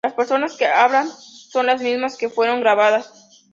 Las personas que hablan son las mismas que fueron grabadas.